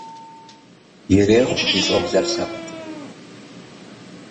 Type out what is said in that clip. Ирехъу ди щӀэблэр лъэпкъ!